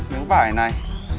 những vải này